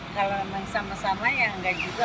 kalau sama sama ya enggak juga